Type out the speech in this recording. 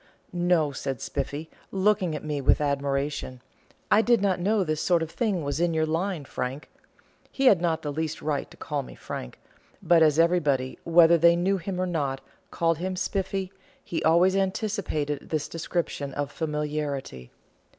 "No," said Spiffy, looking at me with admiration; "I did not know this sort of thing was in your line, Frank." He had not the least right to call me Frank; but as everybody, whether they knew him or not, called him Spiffy, he always anticipated this description of familiarity.